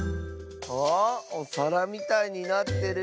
あおさらみたいになってる？